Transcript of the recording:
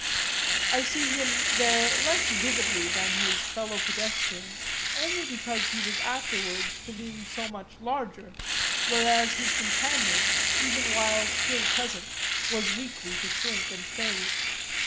I see him there less vividly than his fellow pedestrian only because he was afterwards to loom so much larger, whereas his companion, even while still present, was weakly to shrink and fade.